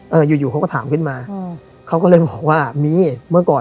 อยู่อยู่เขาก็ถามขึ้นมาอืมเขาก็เลยมาบอกว่ามีเมื่อก่อน